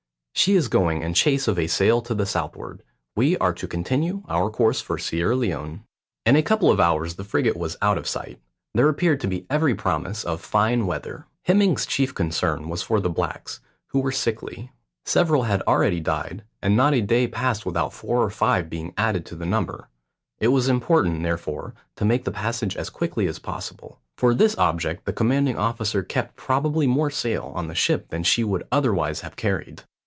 "She is going in chase of a sail to the southward. We are to continue our course for Sierra Leone." In a couple of hours the frigate was out of sight. There appeared to be every promise of fine weather. Hemming's chief concern was for the blacks, who were sickly. Several had already died, and not a day passed without four or five being added to the number. It was important, therefore, to make the passage as quickly as possible. For this object the commanding officer kept probably more sail on the ship than she would otherwise have carried.